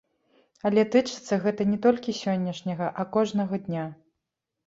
Але тычыцца гэта не толькі сённяшняга, а кожнага дня.